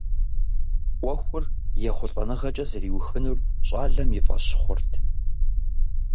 Ӏуэхур ехъулӀэныгъэкӀэ зэриухынур щӀалэм и фӀэщ хъурт.